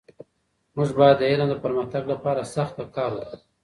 موږ باید د علم د پرمختګ لپاره سخته کار وکړو.